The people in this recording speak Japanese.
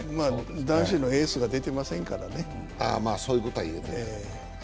男子のエースが出てませんからね。